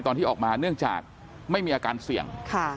ตอนที่ออกมาเนื่องจากไม่มีอาการเสี่ยง